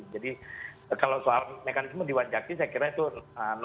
jadi kalau soal mekanisme diwanjaki saya kira itu bisa diwajibkan